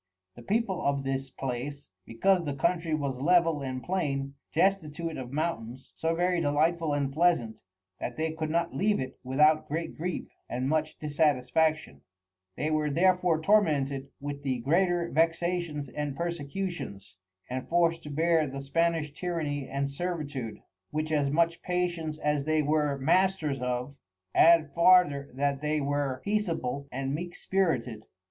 The People of this place, because the Country was Level and Plain, destitute of Mountains, so very delightful and pleasant, that they could not leave it without great grief, and much dissatisfaction, they were therefore tormented with the greater Vexations and Persecutions, and forced to bear the Spanish Tyranny and Servitude, which as much Patience as they were Masters of: Add farther that they were peaceable and meek spirited.